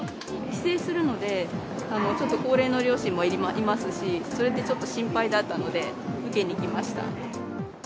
帰省するので、ちょっと高齢の両親もいますし、それでちょっと心配だったので、受けに来ました。